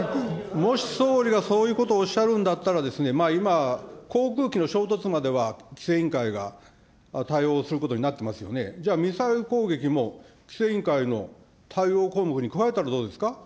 もし総理がそういうことおっしゃるんだったら、今、航空機の衝突までは規制委員会が対応することになってますよね、じゃあミサイル攻撃も、規制委員会の対応項目に加えたらどうですか。